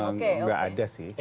enggak ada sih